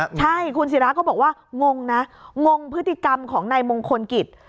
ใช่คุณศิราก็บอกว่างงนะงงพฤติกรรมของนายมงคลกิจ